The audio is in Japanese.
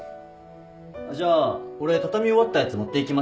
あっじゃあ俺畳み終わったやつ持っていきますね。